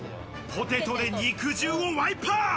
ポテトで肉汁をワイパー。